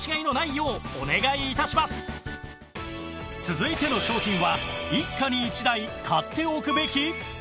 続いての商品は一家に一台買っておくべき？